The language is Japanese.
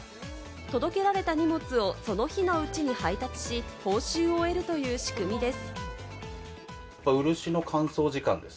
届けられた荷物をその日のうちに配達し、報酬を得るという仕組みです。